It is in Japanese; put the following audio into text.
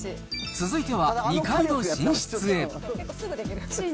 続いては、２階の寝室へ。